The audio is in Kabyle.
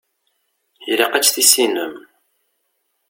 Ilaq ad tt-tissinem.